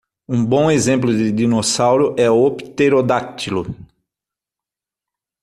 Um bom exemplo de dinossauro é o Pterodáctilo.